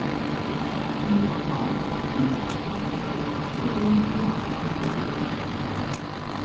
In response the people strike up a stirring hymn to Yarilo.